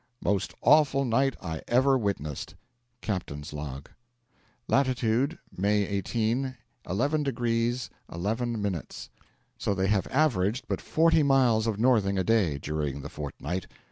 Most awful night I ever witnessed. Captain's Log. Latitude, May 18, 11 degrees 11 minutes. So they have averaged but forty miles of northing a day during the fortnight.